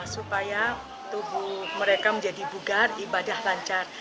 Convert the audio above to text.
supaya tubuh mereka menjadi bugar ibadah lancar